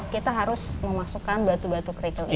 kita harus memasukkan batu batu kerikil ini